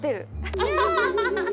アハハハハ！